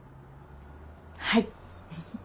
はい。